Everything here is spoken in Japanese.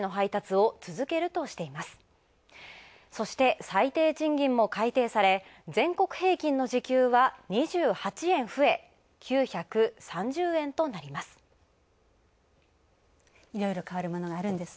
そして、最低賃金も改定され全国平均の時給は２８円増え、９３０円となります。